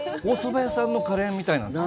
おそば屋さんのカレーみたいな。